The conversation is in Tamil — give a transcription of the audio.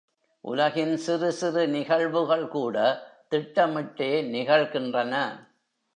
உலகின் சிறு சிறு நிகழ்வுகள் கூட திட்டமிட்டே நிகழ்கின்றன.